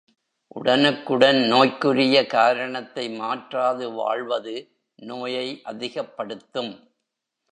உடனுக்குடன் நோய்க்குரிய காரணத்தை மாற்றாது வாழ்வது, நோயை அதிகப்படுத்தும்.